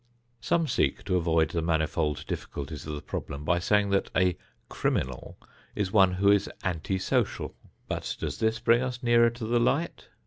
Some seek to avoid the manifold difficulties of the problem by saying that a "criminal" is one who is "anti social." But does this bring us nearer to the light?